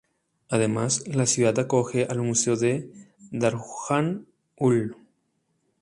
Además, la ciudad acoge al Museo de Darjan-Uul.